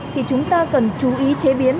thì chúng ta cần chú ý chế biến